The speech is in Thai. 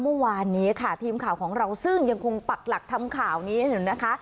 เมื่อวานนี้ค่ะทีมข่าวของเราซึ่งยังคงปักหลักทำข่าวนี้อยู่นะคะ